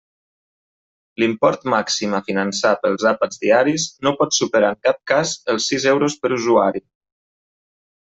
L'import màxim a finançar pels àpats diaris no pot superar en cap cas els sis euros per usuari.